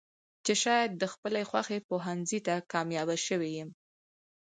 چې شايد د خپلې خوښې پوهنځۍ ته کاميابه شوې يم.